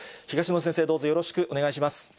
東野先生、どうぞよろしくお願いします。